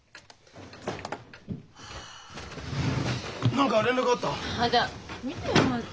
何か連絡あった？